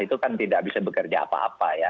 itu kan tidak bisa bekerja apa apa ya